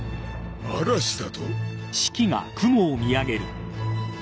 嵐だと？